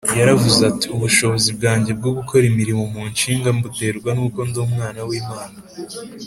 Yaravuze ati, ubushobozi bwanjye bwo gukora imirimo munshinja mbuterwa n’uko ndi Umwana w’Imana